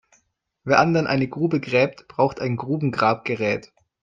Wer anderen eine Grube gräbt, braucht ein Grubengrabgerät.